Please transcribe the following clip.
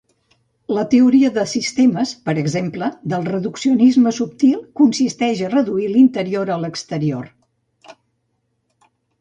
La teoria de sistemes, per exemple, del reduccionisme subtil consisteix a reduir l'interior a l'exterior.